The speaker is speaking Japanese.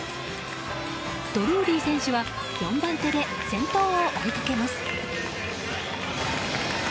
ドルーリー選手は４番手で先頭を追いかけます。